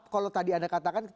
kalau tadi anda katakan